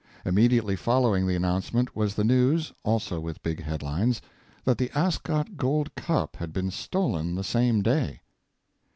Immediately following the announcement was the news also with big headlines that the Ascot Gold Cup had been stolen the same day.